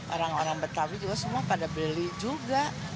orang orang betawi juga semua pada beli juga